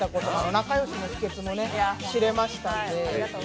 仲良しの秘けつも知れましたんで。